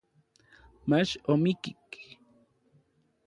mach omikik.